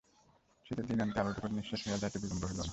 শীতের দিনান্তের আলোকটুকু নিঃশেষ হইয়া যাইতে বিলম্ব হইল না।